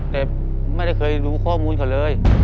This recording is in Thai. แต่ไม่ได้เคยรู้ข้อมูลเขาเลย